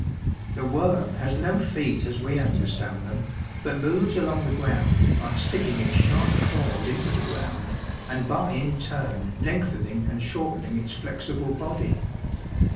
"The worm has no feet as we understand them, but moves along the ground by sticking its sharp claws into the ground and by in turn lengthening and shortening its flexible body.